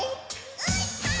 「うーたん！！！」